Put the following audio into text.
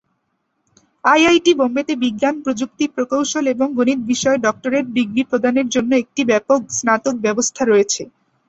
IIT বোম্বেতে বিজ্ঞান, প্রযুক্তি, প্রকৌশল এবং গণিত বিষয়ে ডক্টরেট ডিগ্রী প্রদানের জন্য একটি ব্যাপক স্নাতক ব্যবস্থা রয়েছে।